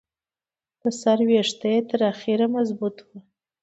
د سر ویښته یې تر اخره مضبوط وو.